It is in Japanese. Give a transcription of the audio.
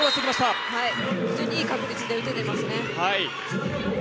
非常にいい確率で受けていますね。